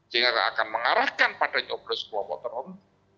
saya akan mengarahkan pada nyobrol sekolah kolah teror